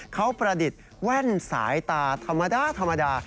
เขาประดิษฐ์แว่นสายตาธรรมดา